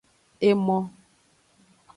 Emo.